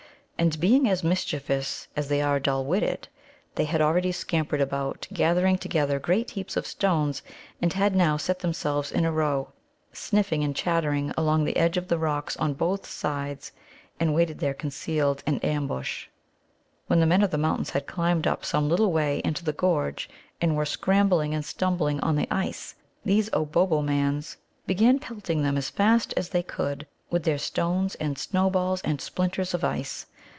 And, being as mischievous as they are dull witted, they had already scampered about, gathering together great heaps of stones, and had now set themselves in a row, sniffing and chattering, along the edge of the rock on both sides, and waited there concealed in ambush. When the Men of the Mountains had climbed up some little way into the gorge, and were scrambling and stumbling on the ice, these Obobbomans began pelting them as fast as they could with their stones and snowballs and splinters of ice.